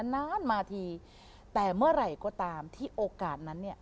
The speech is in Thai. นานมาทีแต่เมื่อไหร่ก็ตามที่โอกาสนั้นเนี่ย